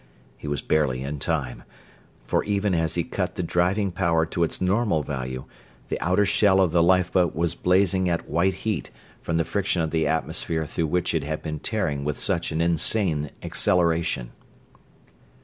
He was barely in time; for even as he cut the driving power to its normal value the outer shell of the lifeboat was blazing at white heat from the friction of the atmosphere through which it had been tearing with such an insane acceleration!